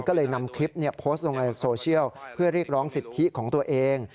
ก็เลยนำคลิปโพสต์ลงในโซเชียลเพื่อเรียกร้องสิทธิของตัวเอง